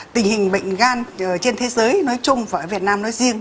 tình hình bệnh gan trên thế giới nói chung và ở việt nam nói riêng